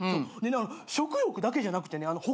食欲だけじゃなくてね